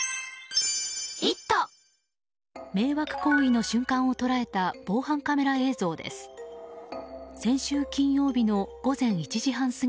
迷惑行為の瞬間を捉えた防犯カメラ映像です。